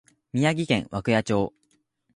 宮城県涌谷町